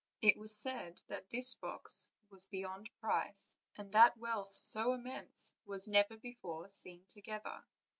It was said that this box was beyond price, and that wealth so immense was never before seen together.